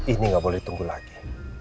ini nggak boleh ditunggu lagi